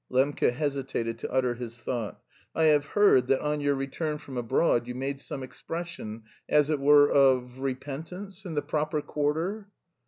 (Lembke hesitated to utter his thought) "I have heard that on your return from abroad you made some expression... as it were of repentance, in the proper quarter?"